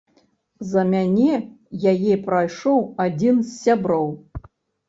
За мяне яе прайшоў адзін з сяброў.